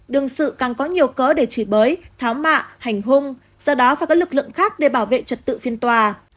đương sự càng có nhiều cớ để chỉ bới tháo mạ hành hung do đó phải có lực lượng khác để bảo vệ trật tự phiên tòa